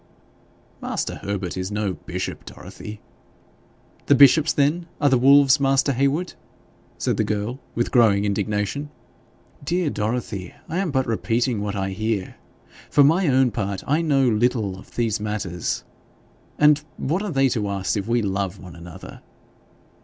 'Master Herbert is no bishop, Dorothy!' 'The bishops, then, are the wolves, master Heywood?' said the girl, with growing indignation. 'Dear Dorothy, I am but repeating what I hear. For my own part, I know little of these matters. And what are they to us if we love one another?'